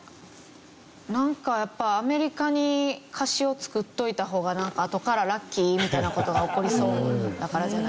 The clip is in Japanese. なんかやっぱアメリカに貸しを作っといた方があとからラッキーみたいな事が起こりそうだからじゃないですか？